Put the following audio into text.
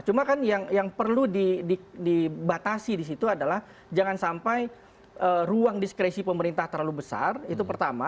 cuma kan yang perlu dibatasi di situ adalah jangan sampai ruang diskresi pemerintah terlalu besar itu pertama